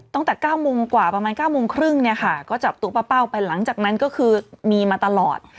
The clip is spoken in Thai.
ตั้งแต่๙โมงกว่าประมาณ๙โมงครึ่งเนี่ยค่ะก็จับตัวป้าเป้าไปหลังจากนั้นก็คือมีมาตลอด